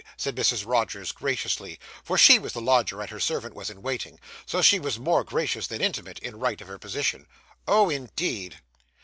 said Mrs. Rogers graciously; for she was the lodger, and her servant was in waiting, so she was more gracious than intimate, in right of her position. 'Oh, indeed!